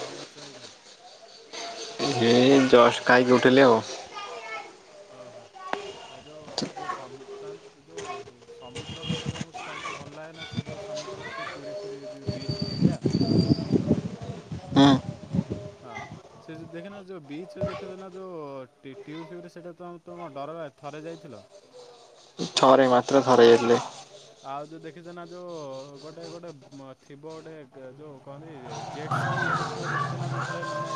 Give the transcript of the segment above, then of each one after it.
କଣ କରୁଛ ଏଇଖୁଣା ହେ ଜଷ୍ଟ ଖାଇକି ଉଠିଲି ଆଉ ଓହୋ ଯୋଉ ଯୋଉ ସମୁତନ ଯେଉଁ ସମୁଦ୍ର କଥା ତ ମୁଁ ତ ଭଲ ଲାଗେ ନା ସେ ଯେଉଁ ସମୁଦ୍ର କି ପୁରୀ ଫୁୀ ଯେ ବିଚ୍ ଏରିଆ ହଁ ହଁ ସେ ଦେଖିନା ଯୋଉ ବିଚ୍ ରେ ଦେଖିନା ଯୋଉ ଚିଊ ଫିଊ ସେଇଟା ତ କଣ ଡର ଥରେ ଯାଇଥିଲ ଥରେ ମାତ୍ର ଥରେ ଯାଇଥିଲି ଆଉ ଯୋଉ ଦେଖିଛ ନା ଯୋଉ ଗୋଟେ ଗୋଟେ ଥିବ ଗୋଟେ ଯୋଉ କହନ୍ତି ଜେଟ କି ଗୋଟେ ଥିବ ଦେଖୁଛ ନା ଯୋଉଥିରେ ମାନେ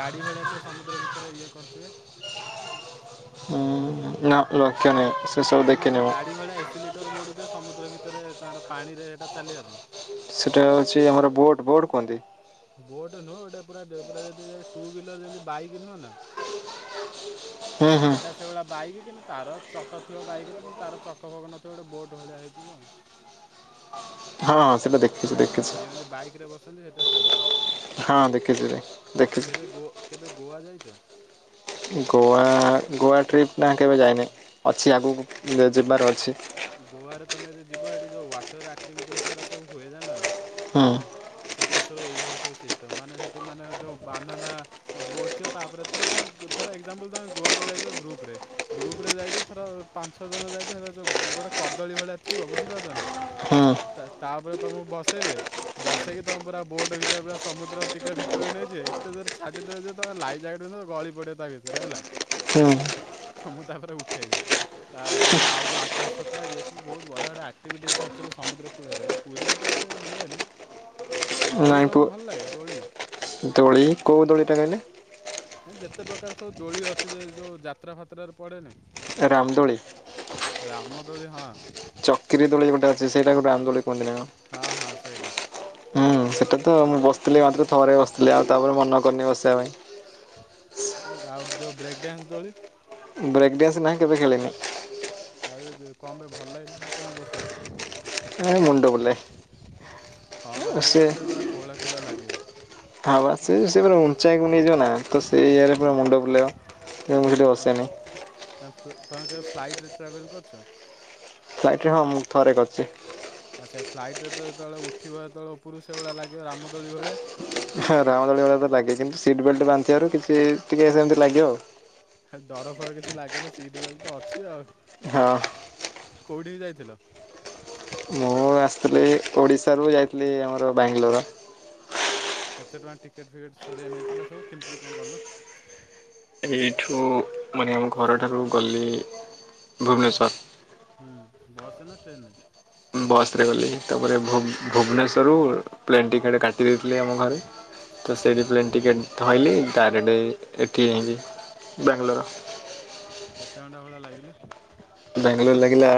ଗାଡ଼ି ଭଳିଆ ଥିବ ସମୁଦ୍ର ଭିତରେ ଇଏ କରୁଥିବେ ହୁଁ ନାଁ ଲୋକି ନା ସେ ସବୁ ଦେଖିନା ଦେଖିନି ଗୋଟେ ମୁଁ। ଗାଡ଼ି ଭଳିଆ ଏଇସିଲିଟର ମୋଡୁଥିବେ ସମୁଦ୍ର ଭିତରେ ତାର ପାଣିରେ ସେଇଟା ଚାଲିବା ପାଇଁ ସେଟା ହେଉଛି ଆମର ବୋଟ୍ ବୋଟ୍ କୁହନ୍ତି ବୋଟ୍ ନୁହଁ ଏଟା ପୁରା ପୁରା ଟୁ ବିଲ ବାଇକି ନୁହଁ ନା ପୁଅ ସେଇଟା ସେଇଭଳିଆ ବାଇକି କିନ୍ତୁ ତାର ଚ କ ଥିବ ବାଇକିର କିନ୍ତୁ ତାର ଚକ ଫକ ନଥିବ ଗୋଟେ ବୋଟ୍ ଭଳିଆ ହେଇଥିବ ହଁ ହଁ ସେଟା ଦେଖିଛି ଦେଖିଛି। ଯେମିତି ବାଇକିରେ ବସନ୍ତି ସେଟା ସେମିତି ହଁ ଦେଖିଛି କେବେ ଦେଖିଛି ଗୋ କେବେ ଗୋଆ ଯାଇଛ ଗୋଆ ଗୋଆ ଟ୍ରିପ୍ ନା କେବେ ଯାଇନି ଅଛି ଆଗକୁ ଯିବାର ଅଛି ଗୋଆରେ ତମେ ଯଦି ଯିବ ଏଇଠି ଯେଉ ୱାଟର ଆକ୍ଟିଭିଟି ସେଗୁରା ସବୁ ହୁଏ ଜାଣିଲ ନା ହଁ ସେଥିରେ ସବୁ ଏଇଭଳିଆ ସବୁ ସିଷ୍ଟମ୍ ମାନେ ସେଠି ମାନେ ଯେଉଁ ବାନାନା ବୋଟ୍ ଥିବ ତାପରେ [unintelligible] ଏକ୍ଜାମ୍ପଲ୍ ତମେ ଗୋଆକୁ ଯାଇଚ ଗ୍ରୁପ୍ ରେ, ଗ୍ରୁପ୍ ରେ ଯାଇଚ ଥର ପାଞ୍ଚ ଛଅ ଜଣ ଯାଇଚ [unintelligible] ଗୋଟେ କଦଳୀ ଭଳିଆ ଥିବ ବୁଝିପାରୁଚ ନା ହୁଁ ତା ତାପରେ ତମୁକୁ ବସେଇବେ। ବସେଇକି ତମୁକୁ ପୁରା ବୋଟ୍ ଭିତରେ ପୁରା ସମୁଦ୍ର ଟିକେ ଭିତୁରୁକୁ ନେଇଯିବେ, ଏତେ ଜର ଛାଡିଦେବେ ଯେ [unintelligible] ଲାଇଫ୍ ଜ୍ୟାକେଟ୍ [unintelligible] ଗଳି ପଡିବ ତା ଭିତରେ ହେଲା, ହୁଁ ତ ମୁଁ ତାପରେ ଉଠେଇବି। ତାପରେ ଆଉ ଯୋଉ ଆକାଶ ଛତା ଏସବୁ ବହୁତ୍ ବଢ଼ିଆ-ବଢିଆ ଆକ୍ଟିଭିଟିସ୍ ଆକ୍ଚୁଆଲି ସମୁଦ୍ର କୂଳରେ ପୁରୀରେ ତ ଏ ତେ ହୁଏନି। ହଁ ଦୋଳି ତମୁକୁ ଭଲ୍ ଲାଗେ ଦୋଳି? ଦୋଳି, କୋଉ ଦୋଳିଟା କହିଲେ? [unintelligible] ଯେତେ ପ୍ରକାର ସବୁ ଦୋଳି ଅଛି ଯେ ଯୋଉ ଯାତ୍ରା ଫାତ୍ରାରେ ପଡେନି ରାମଦୋଳି? ରାମଦୋଳି ହଁ। ଚକ୍ରି ଦୋଳି ଗୋଟେ ଅଛି ସେଇଟାକୁ ରାମଦୋଳି କୁହନ୍ତି ନା କଣ। ହଁ-ହଁ ସେଇଟା। ହୁଁ ସେଇଟା ତ ମୁଁ ବସିଥିଲି ମାତ୍ର ଥରେ ବସିଥିଲି ଆଉ ତାପରେ ମନ କରିନି ବସିଆ ପାଇଁ। ଆଉ ଯୋଉ ବ୍ରେକ୍ ଡ୍ୟାନ୍ସ ଦୋଳି? ବ୍ରେକ୍ ଡ୍ୟାନ୍ସ ନାଇଁ କେବେ ଖେଳିନି। ଆଉ ତେତେ କଣ ପାଇଁ ଭଲ୍ ଲାଗେନି [inaudible] [unintelligible] ମୁଣ୍ଡ ବୁଲାଏ। ହଁ ବା ସେଇଟା ସେ ଗୋଟେ ପୁରା କୁହଳା-କୁହଳା ଲାଗିବ। ହଁ ବା ସେ-ସେ ପୁରା ଉଞ୍ଚାକୁ ନେଇଯିବ ନା, ତ ସେଇ ଜାଗାରେ ପୁରା ମୁଣ୍ଡ ବୁଲେଇବ। ତେଣୁ ମୁଁ ସେଠି ନା ବସେନି ତମେ କେବେ ଫ୍ଲାଇଟ୍ରେ ଟ୍ରାଭେଲ୍ କରିଚ? ଫ୍ଲାଇଟ୍ରେ ହଁ ମୁଁ ଥରେ କରିଚି। ଆଉ ସେ ଫ୍ଲାଇଟ୍ରେ ତ ଯେତଳେ ଉଠିବ ଯେତଳେ ଉପରୁ ସେଇ ଭଳିଆ ଲାଗିବ ରାମଦୋଳି [unintelligible] [unintelligible] ରାମଦୋଳି ବେଳେ ତ ଲାଗେ କିନ୍ତୁ ସିଟ୍ ବେଲ୍ଟ ବାନ୍ଧଥିବାରୁ କିଛି ଟିକେ ସେମ୍ତି ଲାଗିବ ଆଉ। ହେଲେ ଡର ଫର କିଛି ଲାଗେନା ସିଟ୍ ବେଲ୍ଟ ତ ଅଛି ଆଉ। ହଁ। କୋଉଠିକି ଯାଇଥିଲ? ମୁଁ ଆସିଥିଲି ଓଡ଼ିଶାରୁ ଯାଇଥିଲି ଆମର ବାଙ୍ଗଲୋର। କେତେ ଟଙ୍କା ଟିକେଟ୍ ଫିକେଟ୍ ସରିଆ ନେଇଥିଲା ସବୁ କେମ୍ତି କଣ ଗଲ? ଏଇଠୁ ମାନେ ଆମ ଘରଠାରୁ ଗଲି ଭୁବନେଶ୍ୱର୍। ହୁଁ, ବସ୍ ରେ ନା ଟ୍ରେନ୍ ରେ? ବସ୍ ରେ ଗଲି ତାପରେ ଭୁବନେଶ୍ୱରରୁ ପ୍ଲେନ୍ ଟିକେଟ୍ କାଟି ଦେଇଥିଲି ଆମ ଘରେ। ତ ସେଇଠି ହଁ ପ୍ଲେନ୍ ଟିକେଟ୍ ଧଇଲିି ଡାଇରେଟେ ଏଠି [unintelligible] ବାଙ୍ଗଲୋର। କେତେ ଘଣ୍ଟା ଭଳିଆ ଲାଗିଲା? ବେଙ୍ଗଲୋର ଲାଗିଲା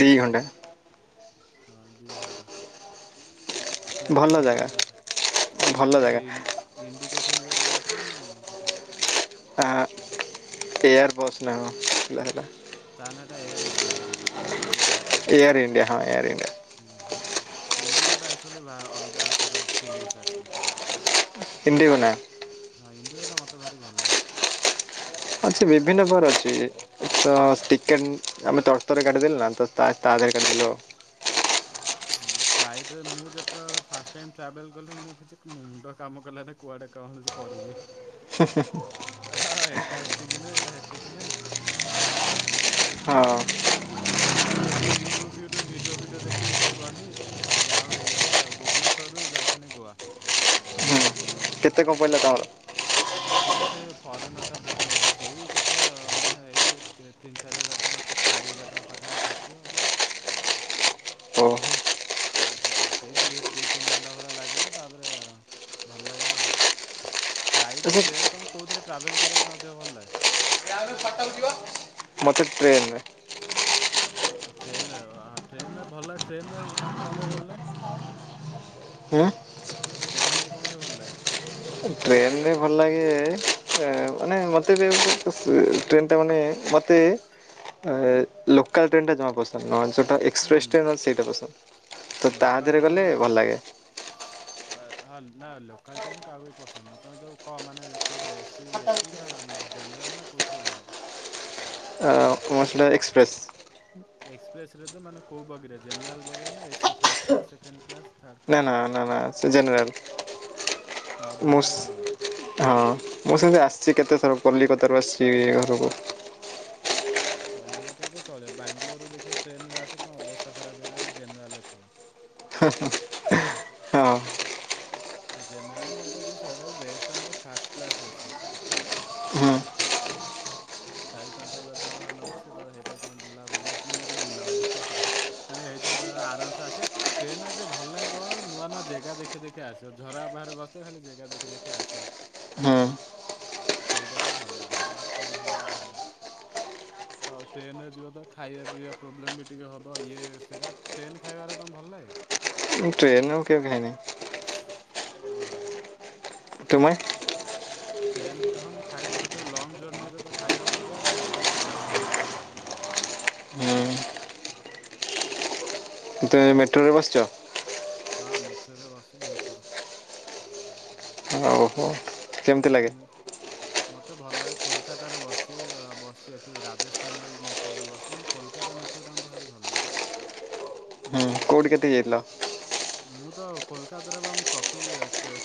ଦି ଘଣ୍ଟା। ହଁ, ଦି ଘଣ୍ଟା। ପ୍ଲେନ ରେ ଭଲ ଭଲ୍ ଜାଗା ଲାଗିବ ଯେ, ଭଲ ବୋଧେ ଜାଗା [unintelligible] ଇଣ୍ଡିଗୋ ଫିଣ୍ଡିଗୋ ରେ ଯାଇଥିଲୁ ନା କଣ? ଆ ଏୟାର ବସ୍ ନା କଣ ଥିଲା ସେଇଟା। ତା ନାଁଟା air Asia [unintelligible] air India [unintelligible] air India ହଁ ଏୟାର୍ ଇଣ୍ଡିଆ। ଇଣ୍ଡିଗୋଟା ଆକ୍ଚୁଆଲି ଅଲଗା ତାର ଫିଲିଙ୍ଗସ୍ ଆସିବ। ଇଣ୍ଡିଗୋ ଟା? ହଁ ଇଣ୍ଡିଗୋ ଟା ମତେ ଭାରି ଭଲ ଲାଗେ। ଅଛି ବିଭିନ୍ନ ପ୍ରକାର ଅଛି ଟି ଟିକେଟ ନ ଆମେ ତର ତର ରେ କାଟିଦେଲୁ ନା ତା ଦେହ ରେ କାଟି ଦେଲୁ। ହଁ ଫ୍ଲାଇଟରେ ମୁଁ ଯେତେବେଳେ ଫାଷ୍ଟ ଟାଇମ୍ ଟ୍ରାଭେଲ କଲି ମୁଁ କିଛି ମୁଣ୍ଡ କାମ କଲାନି କୁଆଡେ କଣଛି କରିମି ହ ହ ହ ଏଟା ହେଟିକି ଏଟା ହେଟି କି ନେ ଆଉ ମୋ ହଁ ସହିତ ଗୋଟେ ଫ ଖାଲି ୟୁଟ୍ୟୁବ ଫ୍ୟୁଟ୍ୟୁବ ଭିଡ଼ିଓ ଫିଡ଼ିଓ ଦେଖିକି ଏ ସବୁ କରନି ଆଉ ଯାହା ହଉ ହେଇଗଲା ଭୁବନେଶ୍ଵରରୁୁ ଯାଇଥିଲି ଗୋଆ। କେତେ କଣ ପଇଲା ତମର? ସେଇଟା ସେ ଫରେନର୍ଟା ବୁକିଂ କରିଥିଲା ସେଇ କେତେ ମାନେ ଏଇ ତିନି ଚାରି ହଜାର ଟଙ୍କା କେ ଚାରି ହଜାର ଟଙ୍କା ପାଖାପଖି ପଡ଼ିଥିବ। ଓ। ତାପରେ ସେଇ ଦି ଦି ତିନି ଘଣ୍ଟା ଭଳିଆ ଲାଗିଲା ତାପରେ ଭଲ ଲାଗିଲା। ଫ୍ଲାଇଟ୍ ଆଚ୍ଛା ଟ୍ରେନ୍ ତମେ କୋଉଥିରେ ଟ୍ରାଭେଲ୍ କରିବା ପାଇଁ ଅଧିକ ଭଲ ଲାଗେ? ମତେ ଟ୍ରେନରେ। ଟ୍ରେନରୁହ ଟ୍ରେନରେ ଭଲ ଟ୍ରେନରେ କପାଇଁ ଭଲ ଲାଗେ। ହଁ। ଟ୍ରେନରେ କଣ ପାଇଁ ଭଲ ଲାଗେ? ଟ୍ରେନରେ ଭଲ ଲାଗେ ମାନେ ମତେ ଟ୍ରେନ ଟା ମାନେ ମତେ ତେ ଏ ଲୋକାଲ ଟ୍ରେନଟା ଜମା ପ ନ ଯେଉଁଟା ନା ଏକ୍ସପ୍ରେସ୍ ଟ୍ରେନ ସେଇଟା ପସନ୍ଦ ତ ତା ଲୋକାଲ୍ ଦେହରେ ଗଲେ ଟ୍ରେନରେ ଭଲ ଲାଗେ। ହଁ ନା ଲୋକାଲ୍ ଟ୍ରେନ୍ କାହାକୁ ବି ପସନ୍ଦ ନୁହଁ ତମେ ଯେଉଁ କ ମାନେ କଉଥିରେ ଏସି ଏ ଏ ସି ନା ନ ଜେନେରାଲ୍ ନା କୋଉଥିରେ ଯାଅ? କଣ ସେଇଟା ଏକ୍ସପ୍ରେସ। ଏକ୍ସପ୍ରେସରେ ତ ମାନେ କୋଉ ବଗିରେ ଜେନେରାଲ ବଗିରେ ନା AC first class second class third ନା କ୍ଲାସ୍? ନା ନା ନା ସେ ଜେନେରାଲ୍ ହଁ ଭଲ ମୁ ଲାଗେ ଜେନେରାଲ୍। ସ ମୁଁ ସେମିତି ଆସିଛି କେତେଥର କଲିକତାରୁ ଆସିଚି ଇ ଘରକୁ। କଲିକତା ତ ଚଳିବ ବାଙ୍ଗଲୋରରୁ ଦେଖିବ ଟ୍ରେନରେ ଆସ ତ ଅବସ୍ଥା ଖରାପ ହେଇଯିବ ଯଦି ଜେନେରାଲରେ ଥିବ। ହିଁ ହିଁ ହଁ। ଜେନେରାଲ ତାର କିନ୍ତୁ ସବୁଠାରୁ ବେଷ୍ଟ ଆମର ଫାଷ୍ଟ କ୍ଲାସ୍ ଏ ସି। ହୁଁ ଚାରି ପାଞ୍ଚ ହଜାର ଟଙ୍କା ଭଳିଆ ନେବ ସେ ତାର ହେଇ ଥିରେ ତମ ବୁଲାବୁଲି ନା ମୁଁ କହୁଚି ବୁଲାବୁଲି ହ ହ। ଆରେ ହେଇ ଥୀରେ ତମେ ଆରାମସେ ଆସିବ। ଟ୍ରେନରେ ଟିକେ ଭଲ ଲାଗେ କଣ ନୂଆ ନୂଆ ଜେଗା ଦେଖି ଦେଖି ଆସିବ ଝରକା ପାଖରେ ବସିଥିବ ଖାଲି ଜାଗା ଦେଖି ଦେଖି ଆସିବ। ହୁଁ ସେଇଟା ଟିକେ ଭଲ ଆଉ ନହେଲେ କଣ ସେମିତି ଭଲ ଲାଗେ। ଆଉ ଟ୍ରେନରେ ଯିବ ତ ଖାଇବା ପିଇବା ପ୍ରୋବ୍ଲେମ ବି ଟିକେ ହବ ଇଏ ସେରା ଟ୍ରେନ୍ ଖାଇବାରା ତମକୁ ଭଲ ଲାଗେ? ଟ୍ରେନରେ ମୁଁ କେବେ ଖାଇନି। ଓହ। ତୁମେ? ଟ୍ରେନ୍ ହଁ ମୁଁ ଖାଇଛି ବହୁତ ଲଙ୍ଗ ଜର୍ଣ୍ଣିରେ ତ ଖାଇବାକୁ ପଡ଼ିବ ମତେ ଏତେ ଖାସ୍ ଲାଗେନି। ହୁଁ। ତୁମେ ମେଟ୍ରୋରେ ବସିଚ? ବସିଚ? ହଁ ମେଟ୍ରୋରେ ବସିଛି ବହୁତ ଥର। ହଉ। [unintelligible] ମତେ ଭଲ ଲାଗେ କୋଲକାତାରେ ବସିଛି ବସିଛି ଏଠି ରାଜସ୍ଥାନରେ ମେଟ୍ରୋରେ ବସି କୋଲକାତା ମେଟ୍ରୋ ଟା ମତେ ଭାରି ଭଲ ଲାଗେ। ହୁଁ। [unintelligible] [unintelligible] ମୁଁ ତ କୋଲକାତାରେ ବା ପ୍ରତି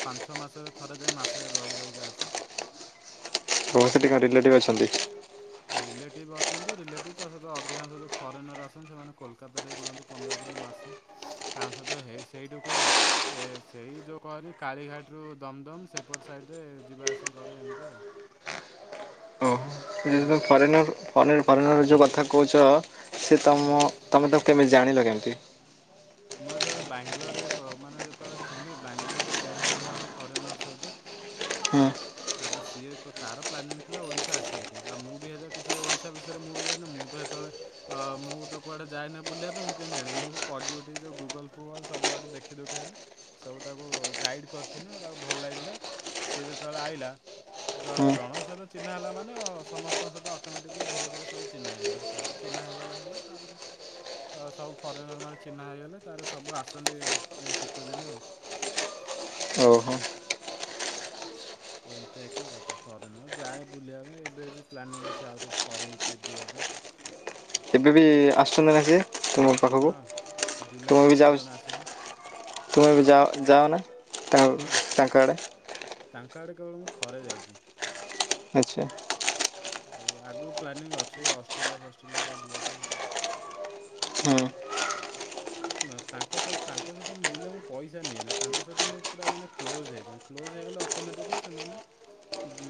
ପାଞ୍ଚ ଛଅ ମାସରେ ଥରେ ଯାଏ ମାସେ ରହି ରହିକି ଆସେ। ତମର ସେଠି କଣ ରିଲେଟିଭ ଅଛନ୍ତି। ରିଲେଟିଭ୍ ଅଛନ୍ତି ରିଲେଟିଭ୍ ତା ସହିତ ଅଧିକାଂଶ ଯେଉଁ ଫରେନର୍ ଆସନ୍ତି ସେମାନେ କୋଲକାତାରେ ରୁହନ୍ତି ପନ୍ଦର ଦିନ ମାସେ। ତାଙ୍କ ସହିତ ହେଇ ସେଇଠୁ କୋଉଠୁ ଏ ସେଇ ଯେଉଁ କହନି କାଳିଘାଟରୁ ଦମଦମ ସେପଟ ସାଇଡ଼ରେ ଯିବା ଆସେ କରେ ଏମିତି ଆଉ। ଓ। ଯଦି ତୁମେ ଯୁଆଡ଼େ ଫରେନର୍ ଫରେନର୍ ଫରେନର ଯେଉଁ କଥା କହୁଛ ସି ତୁମ ତୁମେ ତାକୁ କେମିତି ଜାଣିଲ କେମିତି। [inaudible] ମୁଁ ଯେତେବେଳେ ବାଙ୍ଗଲୋରରେ କ ମାନେ ଯେତେବେଳେ ଥିନି ବାଙ୍ଗଲୋରରେ ଚିହ୍ନା ହୋଇଥିଲା ଗୋଟେ ଫରେନର୍ ସହିତ। [inaudible] ତାପରେ ସିଏ ତାର ପ୍ଲାନିଂ ଥିଲା ଓଡ଼ିଶା ଆସିବା ଆଉ ମୁଁ ବି ହେଯାଏ କିଛି ଓଡ଼ିଶା ବିଷୟରେ ମୁଁ ବି ଯା ଣିନି ମୁଁ ତ ହେତେବେଳେ ଅ ମୁଁ ତ କୁଆଡେ ଯାଏନ ବୁଲିବା ପାଇଁ ମୁଁ କେମିତି ଜାଣବି ମୁଁ ପଡିଉଠି ଯୋଉ ଗୁଗଲ ଫୁଗଲ ସବୁଆଡୁ ଦେଖି ଦୁଖାଇକି। ସବୁ ତାକୁ ଗାଇଡ଼ କରିିଥିଲି ତାକୁ ଭଲ ଲାଗିଲା ସିଏ ଯେତେବେଳେ ଆଇଲା। ଜଣେ ହୁଁ। ଜଣଙ୍କ ସହିତ ଚିହ୍ନା ହେଲା ମାନେ ସମସ୍ତଙ୍କ ସହିତ ଅଟୋମେଟିକଲି ଧୀରେ ଧୀରେ ସବୁ ଚହ୍ନାଇଯଏ ତାର ଚିହ୍ନା ହେଇଗଲା ସାଙ୍ଗ ତାପରେ। ସବୁ ଫରେନର୍ ମାନେ ଚିହ୍ନା ହୋଇଇଗଲେ ତାରେ ସବୁ ଆସନ୍ତି ଏଇ ଶୀତଦିନେ ଆଉ। ହଉ। ଏମିତିଆ ସବୁ କଥା ଫରେନର୍ ଯାଏ ବୁଲିବା ପାଇଁ ଏବେ ଏବେ ପ୍ଲାନିଙ୍ଗ ଅଛି ଆହୁରି ଫରେନ୍ ଟ୍ରିପ୍ ଯିବା ପାଇଁ। ଏବେ ବି ଆସୁଛନ୍ତି ନା ସିଏ ତୁମ ପାଖକୁ ହଁ ଜୁଲାଇ ତୁମେ ବି ଯାଉ ମାସରେ ଜଣେ ଆସିବ। ତୁମେ ବି [unintelligible] ଯାଅ ତାଙ୍କ ଯାଅ ନା ତାଙ୍କ ତାଙ୍କ ଆଡ଼େ ଆଡ଼େ କେବଳ ମୁଁ ଥରେ ଯାଇଛି। ଆଚ୍ଛା। ଆଉ ଆଗରୁ ପ୍ଲାନିଂ ଅଛି ଅଷ୍ଟ୍ରେଲିଆ ଫଷ୍ଟ୍ରେଲିଆ କୁଆଡେ ଯିବା ପାଇଁ। ହଁ। ଶୁଣ ତାଙ୍କ ସହିତ ତାଙ୍କ ସହିତ ମୁଁ ବୁଲେ ମୁଁ ପଇସା ନିଏ ନାହିଁ ତାଙ୍କ ସହିତ ପୁରା ମାନେ କ୍ଲୋଜ୍ ହେଇଥାଏ। କ୍ଲୋଜ୍ ହେଇଗଲେ ଅଟୋମେଟିକଲି ସେମାନେ।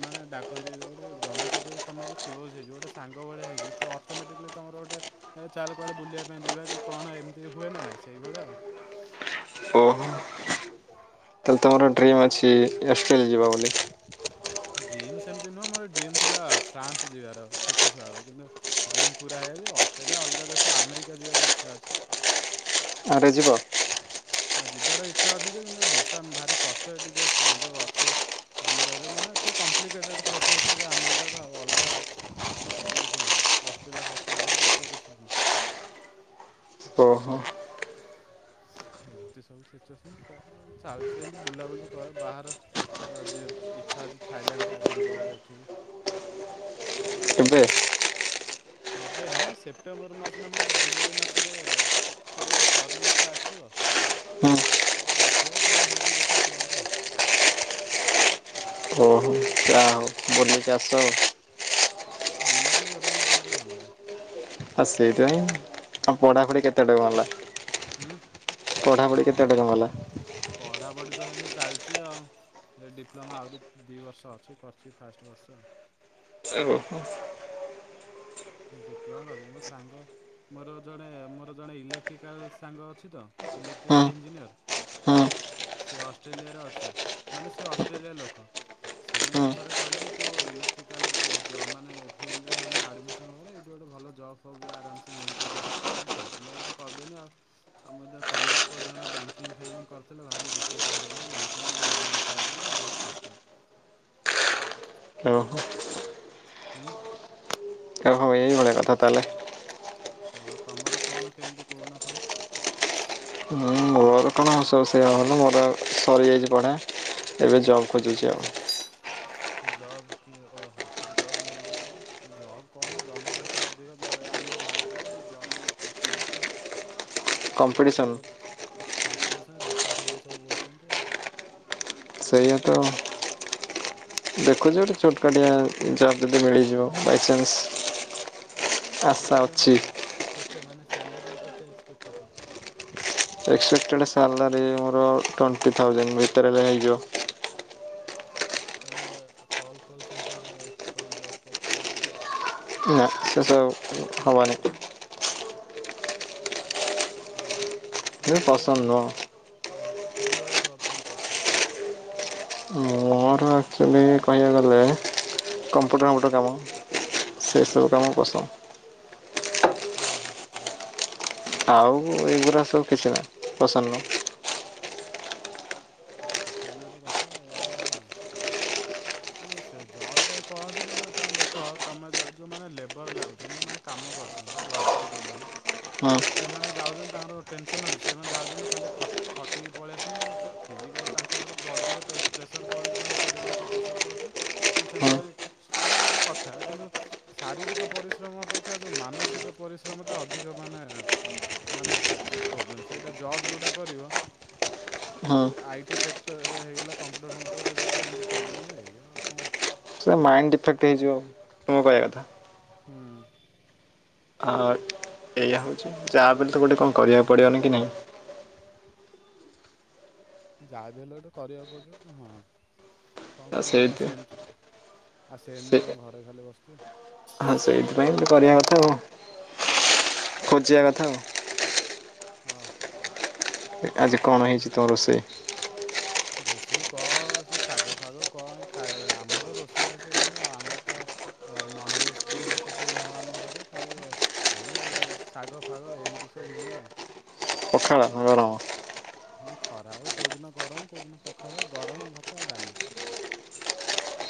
ମାନେ ଡାକନ୍ତି ଗୋଟେ ଜଣ ସହିତ ତମେ ଯଦି କ୍ଲୋଜ୍ ହେଇଯିବ ଗୋଟେ ସାଙ୍ଗ ଭଳିଆ ହେଇଯିବ। ତ ଅଟୋମେଟିକଲି ତମର ଗୋଟେ ଏ ଚାଲ କୁଆଡ଼େ ବୁଲିବା ପାଇଁ ଯିବା କି କଣ ଏମିତି। ସେ ହୁଏ ନା ନାଇଁ ସେଇଭଳିଆ ଓହୋ ଆଉ। ତାହେଲେ ତୁମର ଡ୍ରିମ୍ ଅଛି ଅଷ୍ଟ୍ରେଲିଆ ଯିବ ବୋଲି। ଡ୍ରିମ୍ ସେମିତି ନୁହେଁ ମୋର ଡ୍ରିମ୍ ଥିଲା ଫ୍ରାନ୍ସ ଯିବାର ଛୋଟ ଛୁଆର କିନ୍ତୁ। ଡ୍ରିମ୍ ପୁରା ହେଇଯିବ ଯେ ଅଷ୍ଟ୍ରେଲିଆ ଅଲଗା ଦେଶ ଆମେରିକା ଯିବାର ଇଚ୍ଛା ଅଛି। ଆ ରେ ଯିବ। ହ ଯିବାର ଇଚ୍ଛା ଅଛିଛି କିନ୍ତୁ ଭିସା ଭାରି କଷ୍ଟ ଏଠି ଯୋଉ ଯୋଉ ଅଛି। ଆମର ଏବେ ମାନେ ଟିକିେ କମ୍ପ୍ଲିକେଟେଡ଼୍ ପ୍ରୋସେସ୍ ଟିକେ ଆମେରିକାର ଆଉ ଅଲଗା ଏତେ କିଛି ନୁହେଁ। ଅଷ୍ଟ୍ରେଲିଆ ଫଷ୍ଟ୍ରେଲଆ ଏତେ କିଛି ନୁହଁ। ଓହୋ। ଏମତି ସବୁ ସିଚୁଏସନ କଅଁ ଚାଲିଛି ଏମତି ବୁଲାବୁଲି କର ବାହାର ଅ ଯିଏ ବ୍ ଚଛା ଅଛି ଥାଇଲାଣ୍ଡ ଫାଇଲାଣ୍ଡ ଯିବାର ଏଠିକି। କେଵେ? ଏବେ ନୁହଁ ସେପ୍ଟେମ୍ବର ମାସ ନା ଜୁଲାଇ ମାସରେ ସେ ଗୋଟେ ଫରନର୍ କେତେ ଆସିବ? ହୁଁ। ସେ ଦେଖିଆ କଣ ହଉଚି ଦେଖିଆ ତାପରେ ଆଉ। ଓହୋ ଯାହା ହଉ। ବୁଲିକି ଆସ ଆଉ। ବୁଲାବୁଲି କରିଆକୁ ମତେ ଭାରି ଭଲ ଲାଗେ। ଆଉ ସେଇଥିପାଇଁ ଆଉ ପଢ଼ାପଢ଼ି [unintelligible] ହୁଁ। ପଢା ପଢି କେତେଵାଟ ତମ ଗଲା? ପଢ଼ାପଢ଼ି ତ ସେମିତି ଚାଲିଚି ଆଉ। ଏଇ ଡିପ୍ଲୋମା ଆହୁରି ଦି ବର୍ଷ ଅଛି କରିଚି ଫାଷ୍ଟ ବର୍ଷ। [unintelligible] ଡିପ୍ଲୋମା [unintelligible] ସାଙ୍ଗ ମୋର ଜଣେ ମୋର ଜଣେ ଇଲେକ୍ଟ୍ରିକାଲ୍ ସାଙ୍ଗ ଅଛି ତ ହଁ ଇଲେକ୍ଟ୍ରିକାଲ୍ ଇଞ୍ଜିନିୟର। ହଁ ସେ ଅଷ୍ଟ୍ରେଲିଆରେ ଅଛି ମାନେ ସେ ଅଷ୍ଟ୍ରେଲିଆ ଲୋକ। ସିଏ ମତେ ହଁ ଥରେ କହିଲା କି ତୁ ଇଲେକ୍ଟ୍ରିକାଲ୍ ଜ ମାନେ ଫିଲ୍ଡରେ ମାନେ ଆଡ୍ମି ନ କର ଏଇଠି ଗୋଟେ ଭଲ ଜବ୍ ବି ଆରାମସେ ମିଳିପାରିବ ତତେ ସେଇଥିଲାଗି ଗୋଟେ କରିଦେଲି ଆଉ। ଆମର ଏ କମର୍ସ ପଢ଼ିଵ ନା ବ୍ୟାଙ୍କିଙ୍ଗ୍ ଫ୍ୟାଙ୍କିଙ୍ଗ୍ କରିଥିଲେ ଭାରି ଡିଫିକଲ୍ଟ୍ ହେଲା ବ୍ୟାଙ୍କିଙ୍ଗ୍ ମିଳୁନି ସହଜରେ ବହୁତ୍ କଷ୍ଟ। ଓ ହୋ। ହୁଁ। ଏଇଭଳିଆ କଥା ତାହେଲେ ହଁ ତମର କଣ କେମିତି କହୁନା ସବୁ। ମୁଁ ମୋର ତ ହଁ ସବୁ ସେଇଆ ଭଲ ମୋର ଆଉ ସରିଯାଇଚି ପଢ଼ା ଏବେ ଜବ୍ ଖୋଜୁଚି ଆଉ। ଜବ୍ ଓହୋ ଜବ୍ ମିଳି ଵା ଜବ କଣ ଜନସଂଖ୍ୟା ଟିକେ ଅଧିକ ଆମ ଭାରତରେ ଜବ୍ ଟା ଟିକେ କଷ୍ଟ ହଉଚି ଆଉ। [inaudible] ଅଧିକାଂଶ କମ୍ପିଟିସନ୍ ଲୋକ କମ୍ପିଟିସନ୍ ବେକାରୀ ହେଇକି ସବୁ ବୁଲୁଚନ୍ତି ଆଉ। ସେଇଆ ତ। ଦେଖୁଚି ଗୋଟେ ଛୋଟକାଟିଆ ଜବ୍ ଟେ ଯଦି ମିଳିଯିବ ବାଇଚାନ୍ସ। ଆଶା ଅଛି ତଥାପି କେତେ ମାନେ ସାଲେରୀ କେତେ ଏକ୍ସପେକ୍ଟଡ୍ ଅଛି? ଏକ୍ସପେକ୍ଟେଡ଼୍ ସାଲାରୀ ମୋର ଟୋଣ୍ଟି ଥାଉଜେଣ୍ଡ ଭିତରେ ବି ହେଇଯିବ। ତମେ କଲ୍ ଫଲ୍ ସେଣ୍ଟରରେ କଣ ଜବ୍ ଫବ୍ କରୁନା ନନେ। ନା ସେସବୁ ହବନି। ହୁଁ ତ ମତେ କୋଉଭଳିଆ ପସନ୍ଦ ତାନ୍ ନୁହଁ। ଓହ କୋଉଭଳିଆ ଜବ୍ ଟାନ୍ ପସନ୍ଦ? ମୋର ଆକ୍ଚୁଆଲି କହିଆକୁ ଗଲେ କମ୍ପ୍ୟୁଟର୍ ଫମ୍ପୁଟର୍ କାମ। ସେ ହଁ ସବୁ କାମ ପସନ୍ଦ। ଓହୋ। ଆଉ ଏଗୁରା ସବୁ କିଛି ନାଇଁ, ପସନ୍ଦ ନୁହଁ। ହଁ ସେଟା ବି ଗୋଟେ କଥା। ଆଉ ଏରା ଠିକ୍ ଅଛି ସେ ଜବ୍ ଟେ କହ ଯେ କିନ୍ତୁ ତମେ ଦେଖ ତମେ ଯୋଉମାନେ ଲେବର୍ ଲାଗୁଚନ୍ତି। ଯୋଉମାନେ କାମ କରୁସନ୍ତି ୱାର୍କର ଯୋଉମାନେ। ହୁଁ ସେମାନେ ଯାଉଛନ୍ତି ତାଙ୍କର ଟେନସନ୍ ଅଛି ସେମାନେ ଯାଉଛନ୍ତି ଖାଲି ଖଟ ଖଟିକି ପଳେଇ ଆସୁଛନ୍ତି ତାଙ୍କର ଯା ଫିଜିକାଲ୍ ତାଙ୍କ ଉପରେ ବଡ଼ିରେ ପ୍ରେସ -ପ୍ରେସର ପଡ଼ୁଛି ତାଙ୍କ ଶାରୀରିକ ପ୍ରେସ ପଡୁଛି ହୁଁ ସେମାନେ ମାନେ ଗୋଟେ କଥା କିନ୍ତୁ ଶାରୀରିକ ପରିଶ୍ରମ ଅପେକ୍ଷା ଯୋଉ ମାନସିକ ପରିଶ୍ରମ ଟା ଅଧିକ ମାନେ ମାନେ ପ୍ରୋବ୍ଲେମ୍ ସେଇଟା ଜବ୍ ଯୋଉଟା କରିବ। ହୁଁ। ଆଇ ଟି ସେକ୍ଟର ରେ ହେଇଗଲା କମ୍ପ୍ୟୁଟର ଫମ୍ପୁଟର ସେ ଏମତି ପ୍ରୋବ୍ଲେମ୍ଏଇଆ ଆଉ କଣ? ସେ ମାଇଣ୍ଡ ଡିଫେକ୍ଟ ହେଇଯିବ ତୁମ କଇଆ କଥା। ହୁଁ। ଆ ଏଇଆ ହଉଛି ଯାହାବି ହେଲେ ତ ଗୋଟେ କଣ କରିବାକୁ ପଡିବନି କି ନାଇଁ। ଯାହାବି ହେଲେ ଗୋଟେ କରିଆକୁ ପଡ଼ିବ, ହଁ କଣ କରିବା ଆଉ କଣ ସେଇଥି ସେମିତି ଆଉ ସେ ସେମିତି କଣ ଘରେ ଖାଲି ବସିଥିବେ‌। ହଁ ସେଇଥିପାଇଁ ଏମିତି କରିଆ କଥା ଆଉ। ଖୋଜିବା ଆଉ। ଖୋଜିଆ କଥା ହଁ। ଏଇଟା ଆଜି କ ଆଜି କଣ ହେଇଛି ତ ରୋଷେଇ? ରୋଷେଇ କଣ ସେ ଶାଗ ଫାଗ କଣ ଖାଏ ଆମର ରୋଷେଇ ଫଷେଇ କଣ ଆମର ତ ନନ୍ ଭେଜ୍ ପ୍ରିୟ ଲୋକ କେହି ନୁହେଁ ଆମ ଘରେ ଖାଲି ଏଇ ଶାଗ ଫାଗ ଏମିତି ସବୁ ହୁଏ ଆଉ। ପଖାଳ, ଗରମ। ନା ଖରାବେଳ କୋଉ ଦିନ ଗରମ, କୋଉ ଦିନ ପଖାଳ ଗରମ ଭାତ ଆଉ ଡାଲି।